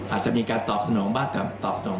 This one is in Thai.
อาจจะมีการตอบสนองบ้างแต่ตอบสนอง